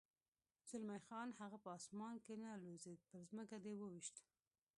زلمی خان: هغه په اسمان کې نه الوزېد، پر ځمکه دې و وېشت.